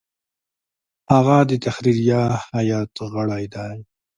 هغه د تحریریه هیئت غړی دی.